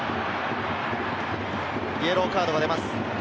これは、イエローカードが出ます。